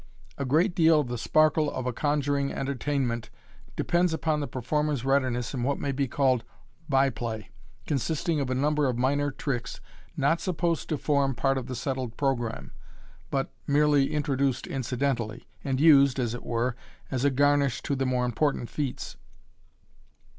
A great deal of the sparkle of a conjuring entertainment depends upon the performer's readiness in what may be called " by play," consisting of a number of minor tricks not supposed to form part of the settled programme, but merely introduced incidentally, and used, as it were, as a garnish to MODERN MAGIC. IJJ the more important feats.